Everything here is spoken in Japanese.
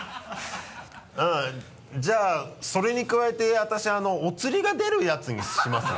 うんじゃあそれに加えて私お釣りが出るやつにしますわ。